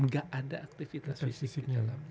gak ada aktivitas fisik